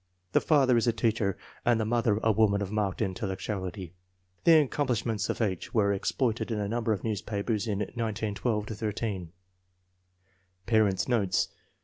The father is a teacher and the mother a woman of marked intellec tuality. The accomplishments of H. were exploited in a number of newspapers in 1918 13. Parents 9 notes.